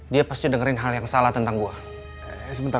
dia pasti mendengarkan hal yang salah tentang saya